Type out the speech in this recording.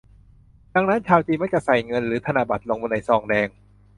ดังนั้น ชาวจีนมักจะใส่เงิน หรือธนบัตรลงในซองแดง